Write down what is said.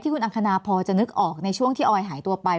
คุณอังคณาพอจะนึกออกในช่วงที่ออยหายตัวไป